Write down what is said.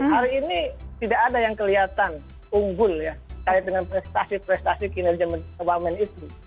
hari ini tidak ada yang kelihatan unggul ya kait dengan prestasi prestasi kinerja wamen itu